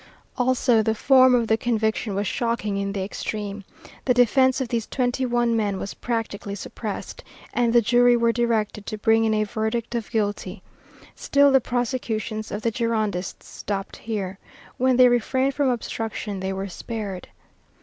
Also the form of the conviction was shocking in the extreme. The defence of these twenty one men was, practically, suppressed, and the jury were directed to bring in a verdict of guilty. Still the prosecutions of the Girondists stopped here. When they refrained from obstruction, they were spared.